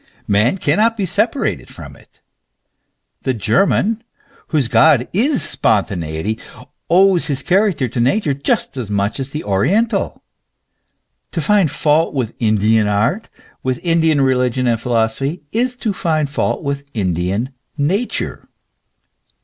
Man cannot be separated from it. The German, whose God is spontaneity, owes his character to Nature just as much as the oriental. To find fault with Indian art, with Indian religion and philosophy, is to find fault with Indian Nature.